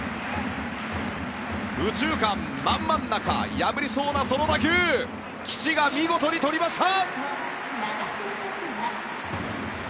右中間、真ん真ん中破りそうなその打球岸が見事にとりました！